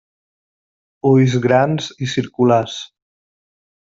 Ulls grans i circulars.